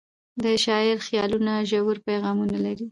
د شاعر خیالونه ژور پیغامونه لري.